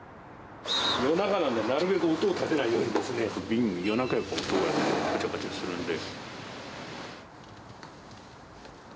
夜中なのでなるべく音を立てないようにですね、瓶は夜中に音ががちゃがちゃするんで。